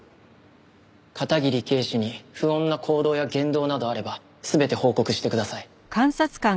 片桐警視に不穏な行動や言動などあれば全て報告してください。